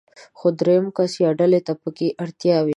خو درېم کس يا ډلې ته پکې اړتيا وي.